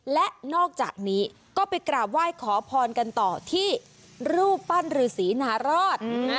และนอกจากนี้ก็ไปกราบไหว้ขอพรกันต่อที่รูปปั้นฤษีนารอด